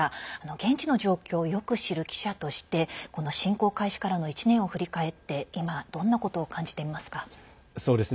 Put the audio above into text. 現地の状況をよく知る記者としてこの侵攻開始からの１年を振り返って今、どんなことを感じていますか。